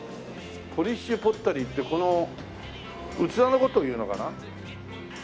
ポリッシュポッタリーってこの器の事をいうのかな？